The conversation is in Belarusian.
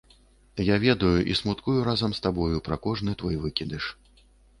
Я ведаю і смуткую разам з табою пра кожны твой выкідыш.